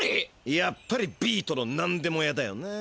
やっぱりビートのなんでも屋だよな。